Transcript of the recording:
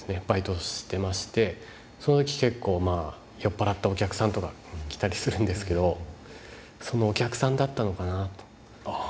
バイトしてましてその時結構酔っ払ったお客さんとか来たりするんですけどそのお客さんだったのかなと。